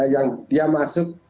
yang dia masuk